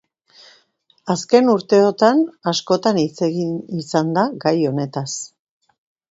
Azken urteotan askotan hitz egin izan da gai honetaz.